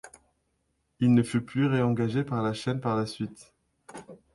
Il ne fut plus réengagé par la chaîne par la suite.